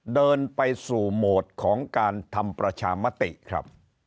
เดินไปสู่โหมดของการทำประชามติครับ